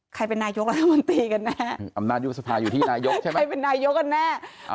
ใครเป็นนายกราศมนตรีกันแน่ะใครเป็นนายกรแน่ะ